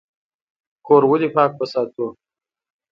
کور ولې پاک وساتو؟